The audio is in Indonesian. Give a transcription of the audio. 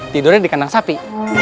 tidurnya di kandang sapi